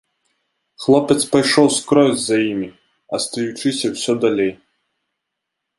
Хлопец пайшоў скрозь за імі, астаючыся ўсё далей.